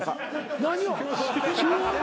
何を？